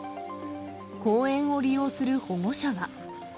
公園を利用する保護者は。